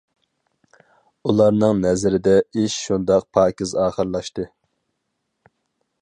ئۇلارنىڭ نەزىرىدە ئىش شۇنداق پاكىز ئاخىرلاشتى.